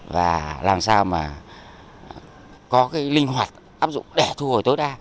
và làm sao mà có cái linh hoạt áp dụng để thu hồi tối đa